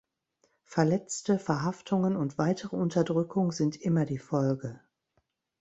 Verletzte, Verhaftungen und weitere Unterdrückung sind immer die Folge.